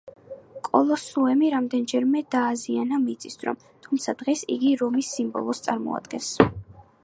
კოლოსეუმი რამდენიმეჯერ დააზიანა მიწისძვრამ, თუმცა დღეს იგი რომის სიმბოლოს წარმოადგენს.